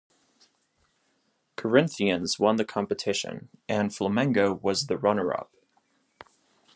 Corinthians won the competition, and Flamengo was the runner-up.